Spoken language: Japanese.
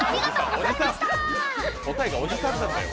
答えがおじさんなんだよ。